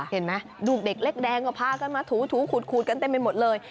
เห็นไหมลูกเด็กเล็กแดงก็พากันมาถูขูดกันเต็มไปหมดเลย